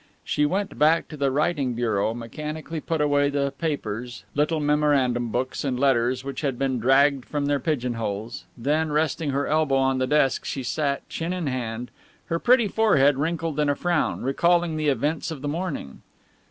She went back to the writing bureau, mechanically put away the papers, little memorandum books and letters which had been dragged from their pigeon holes, then resting her elbow on the desk she sat, chin in hand, her pretty forehead wrinkled in a frown, recalling the events of the morning.